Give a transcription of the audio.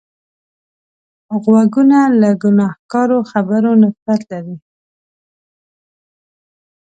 غوږونه له ګناهکارو خبرو نفرت لري